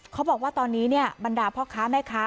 เขาบอกว่าตอนนี้บรรดาพ่อค้าแม่ค้า